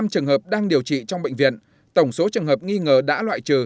năm trường hợp đang điều trị trong bệnh viện tổng số trường hợp nghi ngờ đã loại trừ